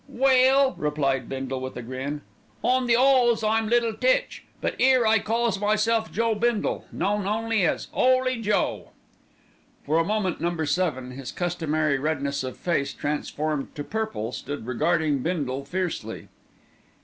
"Well," replied Bindle with a grin, "on the 'Alls I'm Little Tich; but 'ere I calls myself Joe Bindle, known as ''Oly Joe.'" For a moment Number Seven, his customary redness of face transformed to purple, stood regarding Bindle fiercely.